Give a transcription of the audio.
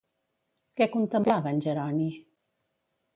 Què contemplava en Jeroni?